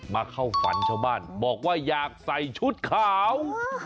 เข้าฝันชาวบ้านบอกว่าอยากใส่ชุดขาว